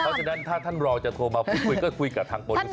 เพราะฉะนั้นถ้าท่านรองจะโทรมาพูดคุยก็คุยกับทางโปรโนเซอร์นะครับ